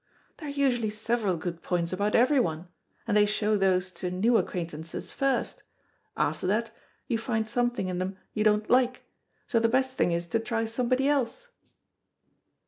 There are usually several good points about everyone, and they show those to new acquaintances first; after that, you find something in them you don't like, so the best thing is to try somebody else."